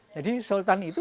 jadi sultan itu